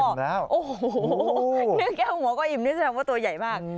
โอ้โหแค่หัวก็อิ่มนี่จะทำว่าตัวใหญ่มาก